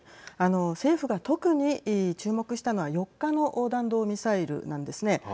政府が特に注目したのは４日の弾道ミサイルなんですね。